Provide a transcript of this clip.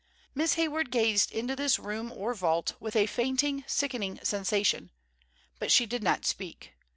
Miss Hayward gazed into this room or vault with a fainting, sickening sensation; but she did not speak.